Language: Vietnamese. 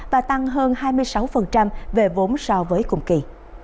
và tăng hơn hai mươi sáu về vốn so với cùng kỳ